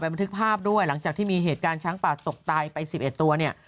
บันทึกภาพด้วยหลังจากที่มีเหตุการณ์ช้างป่าตกตายไป๑๑ตัวเนี่ย